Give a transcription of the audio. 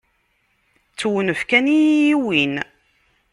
D tewnef kan i y-iwwin.